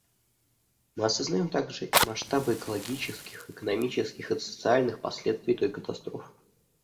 Мы осознаем также и масштабы экологических, экономических и социальных последствий той катастрофы.